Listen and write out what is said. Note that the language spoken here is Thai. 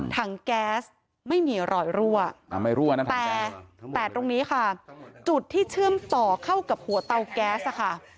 ถังแก๊สไม่มีรอยรั่วแต่ตรงนี้ค่ะจุดที่เชื่อมต่อเข้ากับหัวเตาแก๊สค่ะ